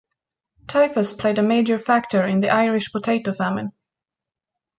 Typhus played a major factor in the Irish Potato Famine.